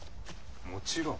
もちろん。